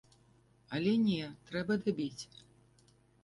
Але не, трэба дабіць!